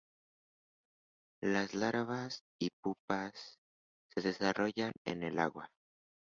Las larvas y pupas se desarrollan en el agua.